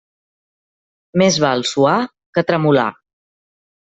Més val suar que tremolar.